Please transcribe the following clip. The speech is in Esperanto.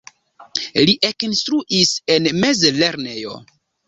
Li ekinstruis en mezlernejo.